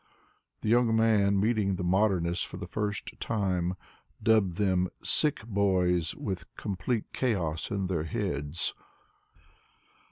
The young man, meeting the modernists for the first time, dubbed them " sick boys with complete chaos in their heads.''